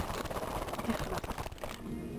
اخرس!